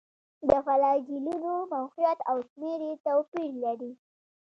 د فلاجیلونو موقعیت او شمېر یې توپیر لري.